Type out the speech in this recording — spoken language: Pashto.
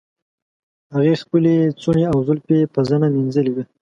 هغې خپلې څڼې او زلفې په زنه مینځلې وې.